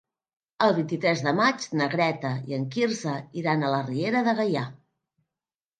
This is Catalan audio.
El vint-i-tres de maig na Greta i en Quirze iran a la Riera de Gaià.